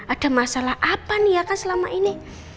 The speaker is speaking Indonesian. ada masalah apa nih ya kan selama ini